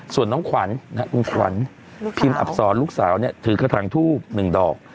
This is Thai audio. ส่วนน้องขวัญพิมพ์อับสอนลูกสาวเนี่ยถือกระถังทูบหนึ่งดอก